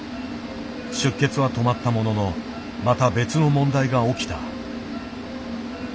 出血は止まったもののまた別の問題が起きた。